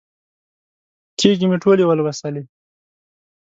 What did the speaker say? کېږې مې ټولې ولوسلې.